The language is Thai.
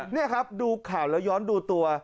นี่ครับดูข่าวแล้วย้อนดูตัว